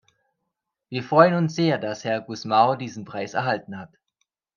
Wir freuen uns sehr, dass Herr Gusmao diesen Preis erhalten hat.